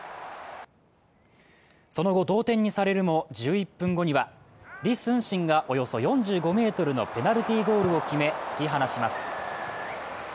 その後同点にされるも１１分後には、李承信がおよそ４５ｍのペナルティーゴールを決め、突き放します。